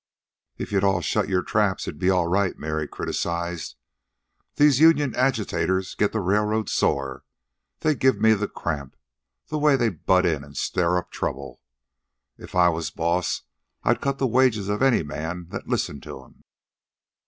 "If you'd all shut your traps, it'd be all right," Mary criticized. "These union agitators get the railroad sore. They give me the cramp, the way they butt in an' stir up trouble. If I was boss I'd cut the wages of any man that listened to them."